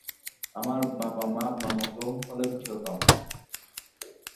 আমার বাবা-মা আপনার মতো হলে খুশি হতাম।